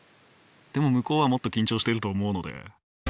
でも向こうはもっと緊張してると思うので。